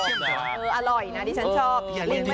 ลิ้งไม่ชอบไม่เป็นไร